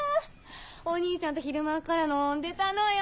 お兄ちゃんと昼間っから飲んでたのよ！